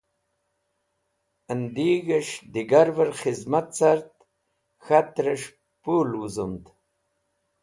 Endẽgẽs̃h digarvẽr khizmat cart k̃hatrẽs̃h pul wũzmẽn.